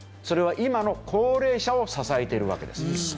それは今の高齢者を支えているわけです。